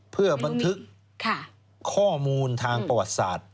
เพื่อบันทึกข้อมูลทางประวัติศาสตร์